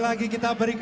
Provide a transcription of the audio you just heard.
bapak prasetya asik